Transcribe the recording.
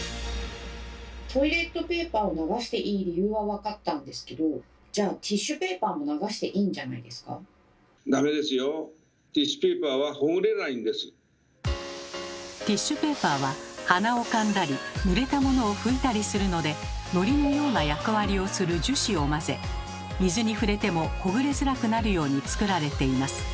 トイレットペーパーを流していい理由は分かったんですけどじゃあティッシュペーパーははなをかんだりぬれたものを拭いたりするのでノリのような役割をする樹脂を混ぜ水に触れてもほぐれづらくなるようにつくられています。